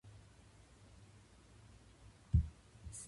とまっているよ竿の先